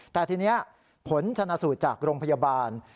แต่ทีนี้ผลชนะสูตรจากโรงพยาบาล